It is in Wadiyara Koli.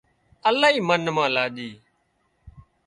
الاهي منَ مان لاڄي